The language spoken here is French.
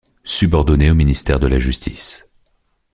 Subordonné au Ministère de la Justice.